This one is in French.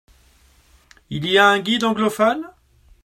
Il y a un guide anglophone ?